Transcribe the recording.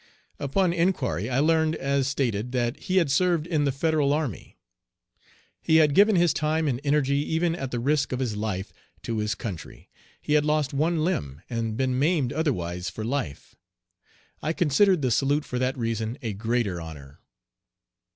Upon inquiry I learned, as stated, that he had served in the Federal army. He had given his time and energy, even at the risk of his life, to his country. He had lost one limb, and been maimed otherwise for life. I considered the salute for that reason a greater honor.